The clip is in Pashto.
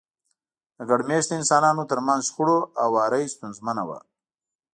د ګډ مېشته انسانانو ترمنځ شخړو هواری ستونزمنه وه.